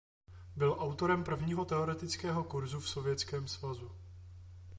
Byl autorem prvního teoretického kurzu v Sovětském svazu.